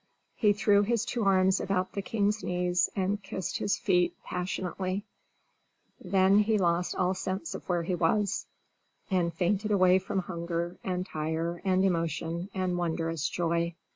He threw his two arms about the king's knees, and kissed his feet passionately; then he lost all sense of where he was, and fainted away from hunger, and tire, and emotion, and wondrous joy.